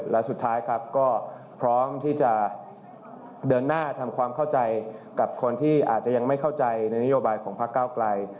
และสุดท้ายครับก็พร้อมที่จะเดินหน้าทำความเข้าใจกับคนที่อาจจะยังไม่เข้าใจในนโยบายของพักเก้าไกล